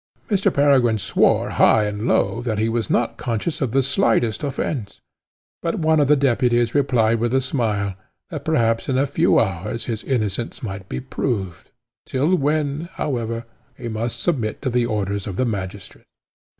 Mr. Peregrine swore high and low that he was not conscious of the slightest offence; but one of the deputies replied with a smile, that perhaps in a few hours his innocence might be proved, till when, however, he must submit to the orders of the magistrate.